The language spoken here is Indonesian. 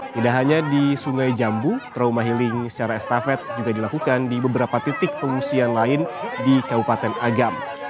tidak hanya di sungai jambu trauma healing secara estafet juga dilakukan di beberapa titik pengungsian lain di kabupaten agam